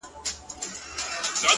اې د هند بُتپرستو سترگورې;